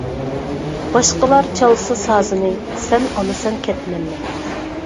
باشقىلار چالسا سازىنى، سەن ئالىسەن كەتمەننى.